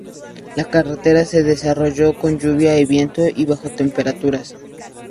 La carrera se desarrolló con lluvia, viento y bajas temperaturas.